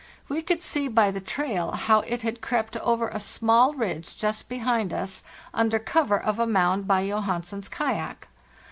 We could see by the trail how it had crept over a small ridge just behind us under cover of a mound by Johansen's kayak.